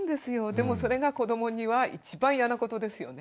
でもそれが子どもには一番嫌なことですよね。